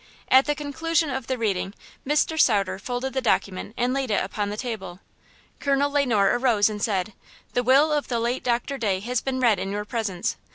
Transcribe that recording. At the conclusion of the reading Mr. Sauter folded the document and laid it upon the table. Colonel Le Noir arose and said: "The will of the late Doctor Day has been read in your presence.